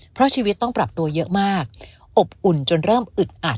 เพราะชีวิตต้องปรับตัวเยอะมากอบอุ่นจนเริ่มอึดอัด